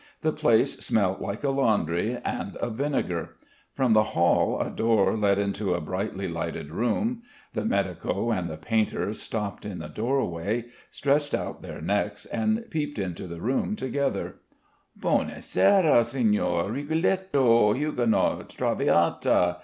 The place smelt like a laundry, and of vinegar. From the hall a door led into a brightly lighted room. The medico and the painter stopped in the doorway, stretched out their necks and peeped into the room together: "Buona sera, signore, Rigoletto huguenote traviata!